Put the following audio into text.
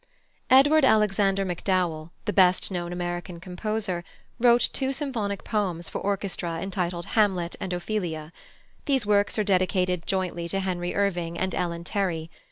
+Edward Alexander MacDowell+, the best known American composer, wrote two symphonic poems for orchestra entitled Hamlet and Ophelia. These works are dedicated jointly to Henry Irving and Ellen Terry.